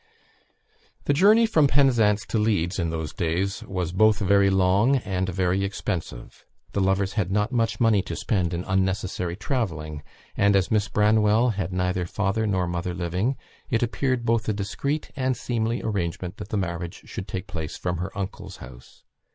The journey from Penzance to Leeds in those days was both very long and very expensive; the lovers had not much money to spend in unnecessary travelling, and, as Miss Branwell had neither father nor mother living, it appeared both a discreet and seemly arrangement that the marriage should take place from her uncle's house.